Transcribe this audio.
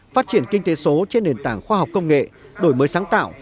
phát triển kinh tế số trên nền tảng khoa học công nghệ đổi mới sáng tạo